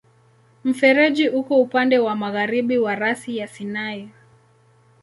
Mfereji uko upande wa magharibi wa rasi ya Sinai.